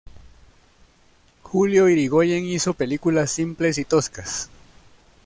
Julio Irigoyen hizo películas simples y toscas.